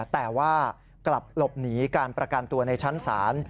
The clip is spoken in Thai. แต่ว่ากลับหลบหนีการประกันตัวในชั้นศาล